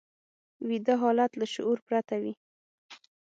ویده حالت له شعور پرته وي